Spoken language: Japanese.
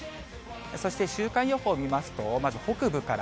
そして週間予報見ますと、まず北部から。